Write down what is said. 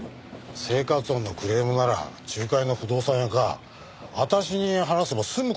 生活音のクレームなら仲介の不動産屋か私に話せば済む事でしょう。